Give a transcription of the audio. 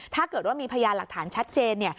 ถ้าเกิดว่ามีพยานหลักฐานชัดเจน